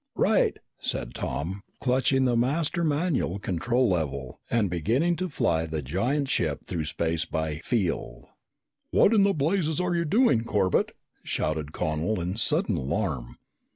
"Right!" said Tom, clutching the master manual control lever and beginning to fly the giant ship through space by "feel." "What in blazes are you doing, Corbett?" shouted Connel in sudden alarm.